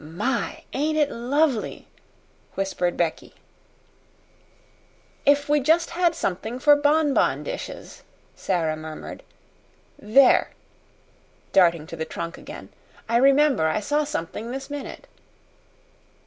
"My, ain't it lovely!" whispered Becky. "If we just had something for bonbon dishes," Sara murmured. "There!" darting to the trunk again. "I remember I saw something this minute."